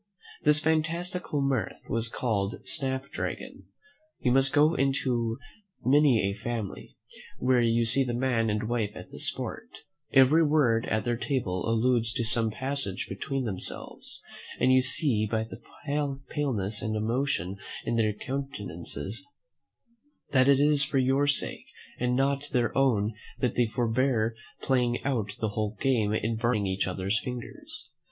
This fantastical mirth was called Snap Dragon. You may go into many a family, where you see the man and wife at this sport: every word at their table alludes to some passage between themselves; and you see by the paleness and emotion in their countenances that it is for your sake and not their own that they forbear playing out the whole game in burning each other's fingers.